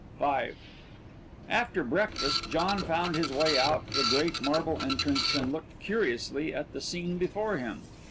V After breakfast, John found his way out the great marble entrance, and looked curiously at the scene before him.